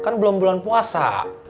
kan belum bulan puasa